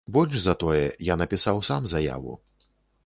Больш за тое, я напісаў сам заяву.